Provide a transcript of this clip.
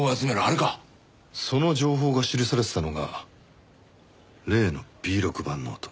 その情報が記されてたのが例のＢ６版ノート。